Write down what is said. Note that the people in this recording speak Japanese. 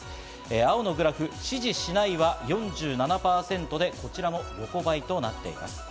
青のグラフ、支持しないは４７％で、こちらも横ばいとなっています。